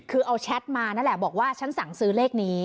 คือเอาแชทมานั่นแหละบอกว่าฉันสั่งซื้อเลขนี้